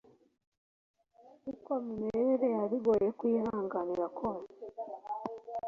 uko imimerere yaba igoye kuyihanganira kose